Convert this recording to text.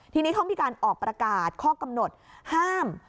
ทีนี้เขามีการออกประกาศข้อกำหนดห้าม